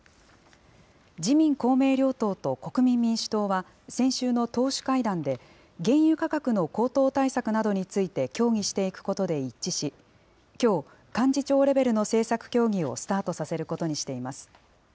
自民、公明両党と国民民主党は、先週の党首会談で、原油価格の高騰対策などについて協議していくことで一致し、きょう、幹事長レベルの政策協議をスタートさせることにしています。